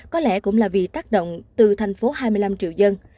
có lẽ cũng là vì tác động từ thành phố hai mươi năm triệu dân